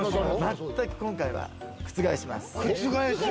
全く今回は覆します。